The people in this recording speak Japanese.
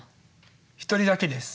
一人だけです。